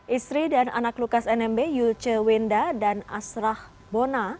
istri dan anak lukas nmb yulce wenda dan asrah bona